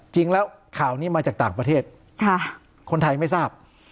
จริงแล้วข่าวนี้มาจากต่างประเทศคนไทยไม่ทราบ